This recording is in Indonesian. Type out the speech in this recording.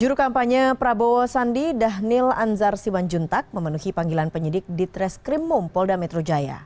juru kampanye prabowo sandi dhanil anzar sibanjuntak memenuhi panggilan penyidik di treskrimum polda metro jaya